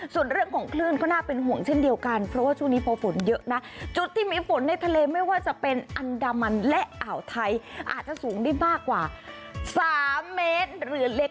ส่วนเรื่องของคลื่นก็น่าเป็นห่วงเช่นเดียวกันเพราะว่าช่วงนี้พอฝนเยอะนะจุดที่มีฝนในทะเลไม่ว่าจะเป็นอันดามันและอ่าวไทยอาจจะสูงได้มากกว่า๓เมตรหรือเล็ก